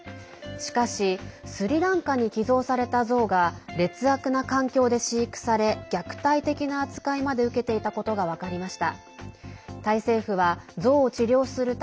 しかし、スリランカに寄贈されたゾウが劣悪な環境で飼育され虐待的な扱いまで受けていたことが分かりました。